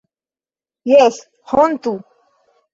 Jes, hontu!